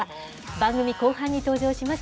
番組後半に登場します。